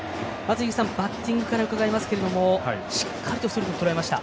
バッティングから伺いますがしっかりとストレートをとらえました。